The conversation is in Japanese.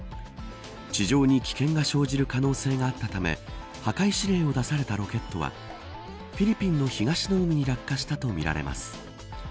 地上に危険が生じる可能性があったため破壊指令を出されたロケットはフィリピンの東の海に落下したとみられます。